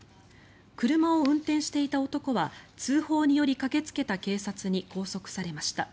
車を運転していた男は通報により駆けつけた警察に拘束されました。